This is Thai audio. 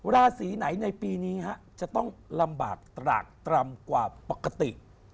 ราศีไหนในปีนี้จะต้องลำบากตรากตรำกว่าปกติ